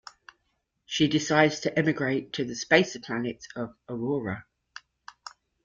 She decides to emigrate to the Spacer planet of Aurora.